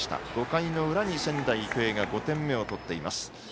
５回の裏に仙台育英が５点目を取っています。